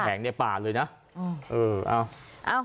เป็นแผงในป่าเลยนะ